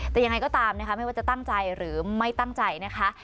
แต่ยังไงก็ตามนะคะไม่ว่าจะตั้งใจหรือไม่ตั้งใจนะคะ